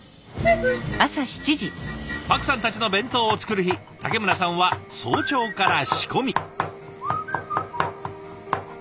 パクさんたちの弁当を作る日竹村さんは早朝から仕込み。